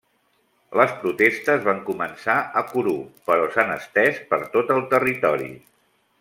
Les protestes van començar a Kourou però s'han estès per tot el territori.